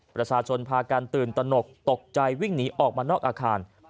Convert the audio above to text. ประชาชนพากันตื่นตนกตกใจวิ่งหนีออกมานอกอาคาร